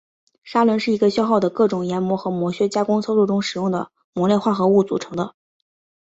砂轮是一个消耗的各种研磨和磨削加工操作中使用的磨料化合物组成的。